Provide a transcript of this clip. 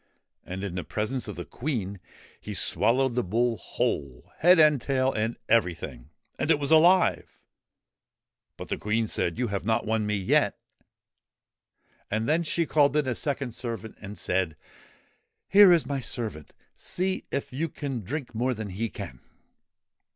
And, in presence of the Queen, he swallowed the bull whole, head and tail and everything ; and it was alive ! But the Queen said, ' You have not won me yet !' And then she called in a second servant and said : 1 Here is my servant. See if you can drink more than he can